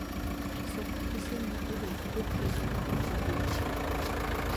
Соҡор эсе генә түгел, күк һелкенеп киткәндәй булды.